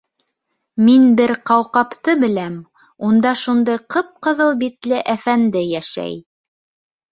Мин бер ҡауҡабты беләм, унда шундай ҡып-ҡыҙыл битле әфәнде йәшәй.